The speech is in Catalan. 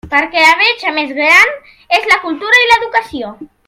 Perquè la bretxa més gran és la cultura i l'educació.